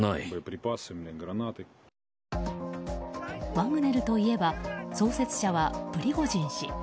ワグネルといえば創設者はプリゴジン氏。